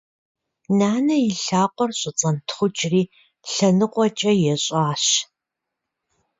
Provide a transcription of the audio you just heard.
Нанэ и лъакъуэр щӏэцӏэнтхъукӏри лъэныкъуэкӏэ ещӏащ.